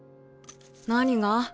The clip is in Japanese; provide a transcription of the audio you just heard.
何が？